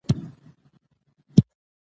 وګړي د افغانستان د سیلګرۍ برخه ده.